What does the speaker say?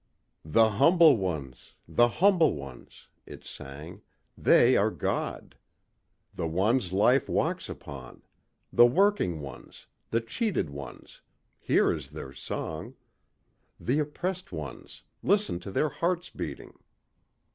"The humble ones ... the humble ones...." it sang, "they are God. The ones life walks upon. The working ones, the cheated ones here is their song. The oppressed ones, listen to their hearts beating."